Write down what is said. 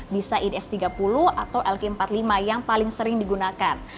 bisa in s tiga puluh atau lk empat puluh lima yang paling sering digunakan